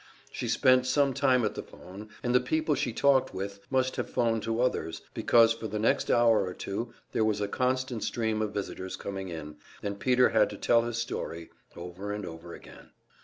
She spent some time at the phone, and the people she talked with must have phoned to others, because for the next hour or two there was a constant stream of visitors coming in, and Peter had to tell his story over and over again.